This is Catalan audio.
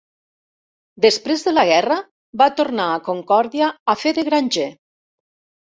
Després de la guerra va tornar a Concordia a fer de granger.